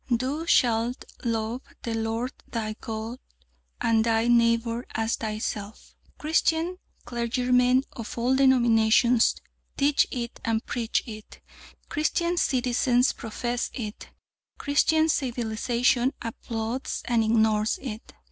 "Thou shalt love the Lord thy God and thy neighbour as thyself." Christian clergymen of all denominations teach it and preach it, Christian citizens profess it, Christian civilisation applauds and ignores it.